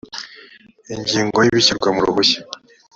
ingingo ya ibishyirwa mu ruhushya